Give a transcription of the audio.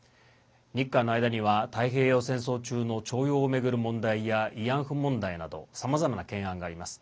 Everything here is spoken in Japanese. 日韓の間には太平洋戦争中の徴用を巡る問題や慰安婦問題などさまざまな懸案があります。